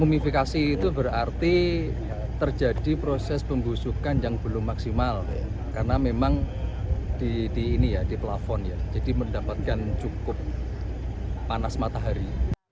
kumifikasi itu berarti terjadi proses pembusukan yang belum maksimal karena memang di plafon ya jadi mendapatkan cukup panas matahari